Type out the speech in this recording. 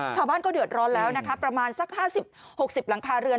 ชาวบ้านก็เดือดร้อนแล้วนะคะประมาณสัก๕๐๖๐หลังคาเรือน